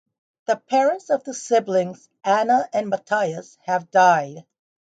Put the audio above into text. The parents of the siblings Anna and Mattias have died.